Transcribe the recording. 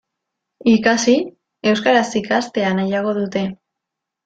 Ikasi, euskaraz ikastea nahiago dute.